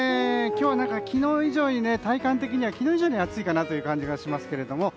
今日は昨日以上に体感的には暑いかなという感じがしますけれども。